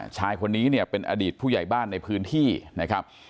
ชายคนนี้เนี่ยเป็นอดีตผู้ใหญ่บ้านในพื้นที่นะครับ